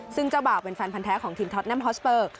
ซึ่งเจ้าบ่าวเป็นแฟนพันธ์แท้ของทีมท็อตแมมฮอสเปอร์